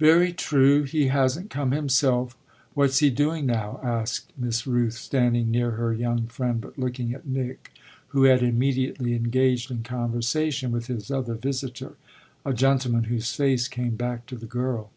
"Very true he hasn't come himself. What's he doing now?" asked Miss Rooth, standing near her young friend but looking at Nick, who had immediately engaged in conversation with his other visitor, a gentleman whose face came back to the girl.